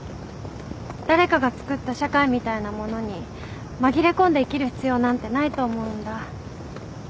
誰かがつくった社会みたいなものに紛れ込んで生きる必要なんてないと思うんだ。